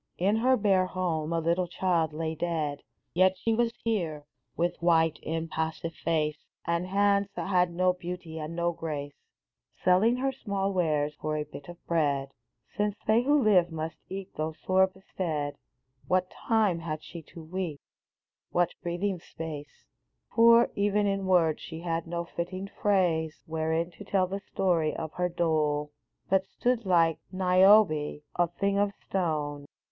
In her bare home a little child lay dead ; Yet she was here, with white, impassive face, And hands that had no beauty and no grace, Selling her small wares for a bit of bread ! Since they who live must eat though sore bestead, What time had she to weep — what breathing space ? Poor even in words, she had no fitting phrase Wherein to tell the story of her dole, But stood, like Niobe, a thing of stone.